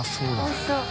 おいしそう。